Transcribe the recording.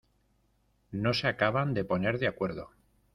No se acaban de poner de acuerdo.